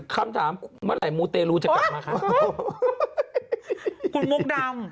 คำถามเมื่อไหร่มูลเตรียลูจะกลับมาคะ